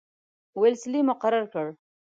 ویلسلي مقرر کړ.